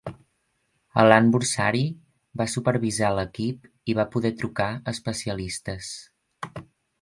Alan Borsari va supervisar l'equip i va poder trucar a especialistes.